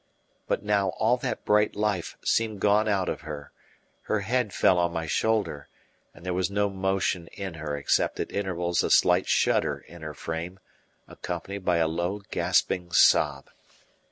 But now all that bright life seemed gone out of her; her head fell on my shoulder, and there was no motion in her except at intervals a slight shudder in her frame accompanied by a low, gasping sob.